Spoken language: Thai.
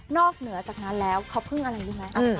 เหนือจากนั้นแล้วเขาพึ่งอะไรรู้ไหม